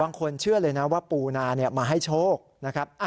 เชื่อเลยนะว่าปูนามาให้โชคนะครับ